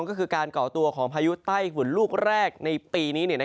ก็คือการก่อตัวของพายุใต้ฝุ่นลูกแรกในปีนี้